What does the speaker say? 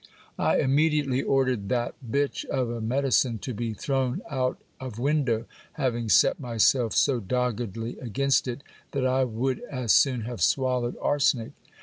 I immediately ordered that bitch of a medicine to be thrown out of window, having set myself so doggedly against it, that I would as soon have swallowed arsenic.